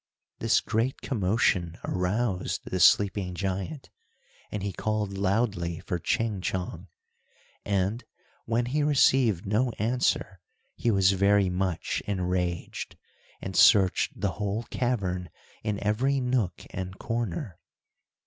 This great commotion aroused the sleeping giant, and he called loudly for Ching Chong, and, when he received no answer, he was very much enraged, and searched the whole cavern in every nook and corner.